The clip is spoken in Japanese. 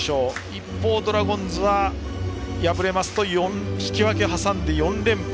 一方、ドラゴンズは敗れますと引き分け挟んで４連敗。